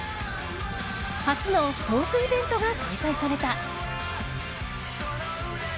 初のトークイベントが開催された。